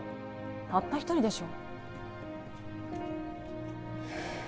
たった一人でしょ